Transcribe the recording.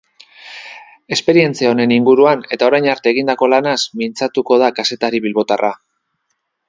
Esperientzia honen inguruan eta orain arte egindako lanaz mintzatuko da kazetari bilbotarra.